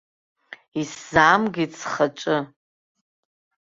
Исзаамгеит схаҿы.